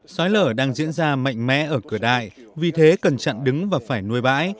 xói lở đang diễn ra mạnh mẽ ở cửa đại vì thế cần chặn đứng và phải nuôi bãi